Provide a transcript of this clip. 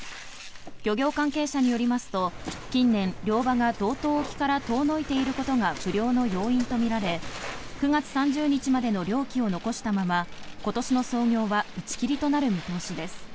漁業関係者によりますと近年、漁場が道東沖から遠のいていることが不漁の要因とみられ９月３０日までの漁期を残したまま今年の操業は打ち切りとなる見通しです。